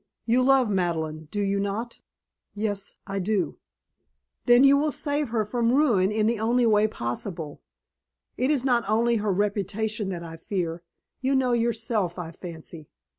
"You love Madeleine, do you not?" "Yes I do." "Then will you save her from ruin in the only way possible. It is not only her reputation that I fear. You know yourself, I fancy.